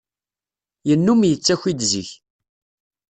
Yennum yettaki-d zik.